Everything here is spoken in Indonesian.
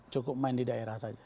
cukup main di daerah saja